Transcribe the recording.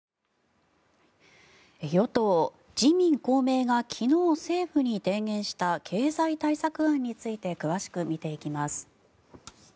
与党の自民・公明が昨日政府に提言した経済対策案について詳しく見ていきます。